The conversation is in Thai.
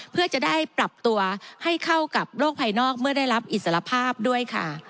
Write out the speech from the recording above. เพื่อจะได้ปรับตัวให้เข้ากับโรคภายนอกเมื่อได้รับอิสรภาพด้วยค่ะ